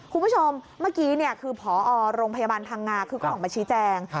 คุณผู้ชมเมื่อกี้คือพอโรงพยาบาลพังงาคือก็ออกมาชี้แจง